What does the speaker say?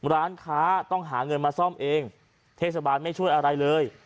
ร้านค้าต้องหาเงินมาซ่อมเองเทศบาลไม่ช่วยอะไรเลย